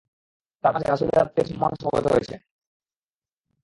তাঁর মাঝে রাসূলের আত্মীয়ের সম্মান সমবেত হয়েছে।